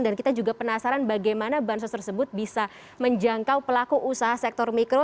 dan kita juga penasaran bagaimana bansos tersebut bisa menjangkau pelaku usaha sektor mikro